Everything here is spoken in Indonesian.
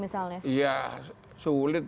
misalnya ya sulit